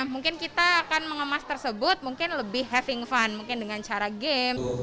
mungkin kita akan mengemas tersebut mungkin lebih having fun mungkin dengan cara game